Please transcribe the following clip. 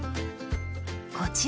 こちら！